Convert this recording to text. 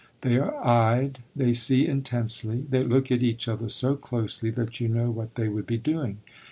They are eyed, they see intensely; they look at each other so closely that you know what they would be doing.